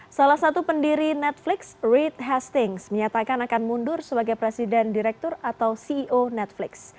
salah satu pendiri netflix red hestings menyatakan akan mundur sebagai presiden direktur atau ceo netflix